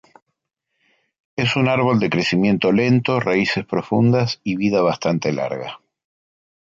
Es un árbol de crecimiento lento, raíces profundas y vida bastante larga.